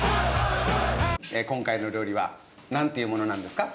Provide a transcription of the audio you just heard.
今回の料理はなんていうものなんですか？